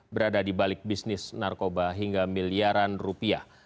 berada di balik bisnis narkoba hingga miliaran rupiah